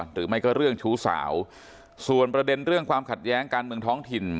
หรือไม่ก็เรื่องชู้สาวส่วนประเด็นเรื่องความขัดแย้งการเมืองท้องถิ่น